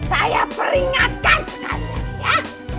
saya peringatkan sekalian ya